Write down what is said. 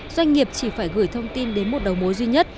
doanh nghiệp chỉ phải gửi thông tin đến một đầu mối duy nhất